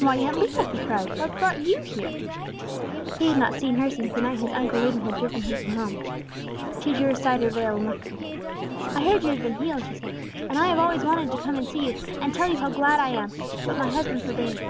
"Why, Aunt Leah!" he cried. "What brought you here?" He had not seen her since the night his Uncle Laban had driven him from home. She drew aside her veil, and looked at him. "I heard you had been healed," she said, "and I have always wanted to come and see you, and tell you how glad I am; but my husband forbade it.